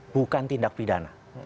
bukan tindak pidana